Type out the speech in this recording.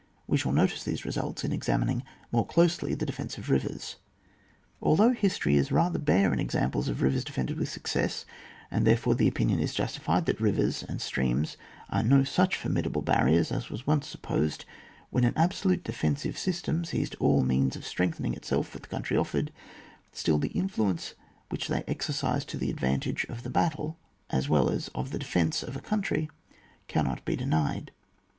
We shall notice these results in examining more closely the defence of rivers. Although history is rather bare in ex^ amples of rivers defended with success, and therefore the opinion is justified that rivers and streams are no such formida ble barriers as was once supposed, when an absolute defensive system seized all means of strengthening itself which the coimtry offered, still the infiuence which they exercise to the advantage of the battle, as well as of the defence of a country, cannot be denied.